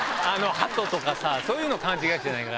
ハトとかさ、そういうのと勘違いしてないかな。